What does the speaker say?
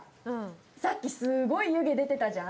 さっきすごい湯気出てたじゃん？